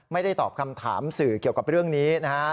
ไม่ได้ตอบคำถามสื่อเกี่ยวกับเรื่องนี้นะฮะ